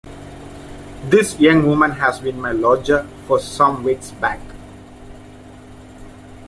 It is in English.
This young woman has been my lodger for some weeks back.